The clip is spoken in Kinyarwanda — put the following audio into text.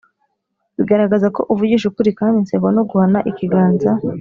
Bigaragaza ko uvugisha ukuri kandi inseko no guhana ikiganza